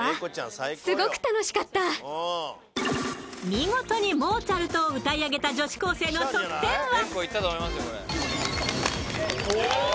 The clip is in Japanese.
見事にモーツァルトを歌いあげた女子高生の得点は？